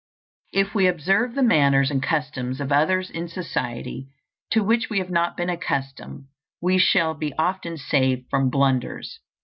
If we observe the manners and customs of others in society to which we have not been accustomed, we shall be often saved from blunders.